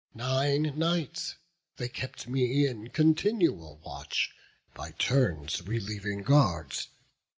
Nine nights they kept me in continual watch, By turns relieving guards.